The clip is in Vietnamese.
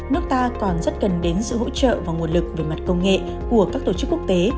nước ta còn rất cần đến sự hỗ trợ và nguồn lực về mặt công nghệ của các tổ chức quốc tế